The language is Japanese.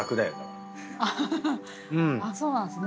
そうなんすね。